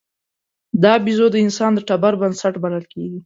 دا بیزو د انسان د ټبر بنسټ بلل کېږي.